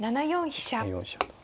７四飛車と。